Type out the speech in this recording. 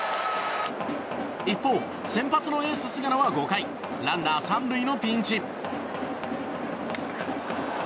一方、先発のエース、菅野は５回ランナー３塁のピンチ。